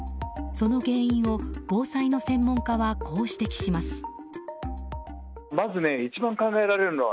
その原因を防災の専門家はこう指摘します。